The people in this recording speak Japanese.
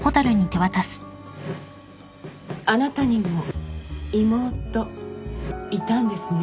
あなたにも妹いたんですね。